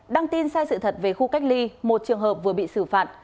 đăng tin sai sự thật về khu cách ly một trường hợp vừa bị xử phạt